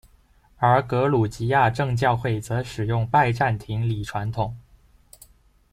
而格鲁吉亚正教会则使用拜占庭礼传统。